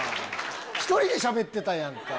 １人でしゃべってたやんか。